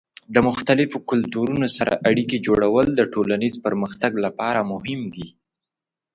د مختلفو کلتورونو سره اړیکې جوړول د ټولنیز پرمختګ لپاره مهم دي.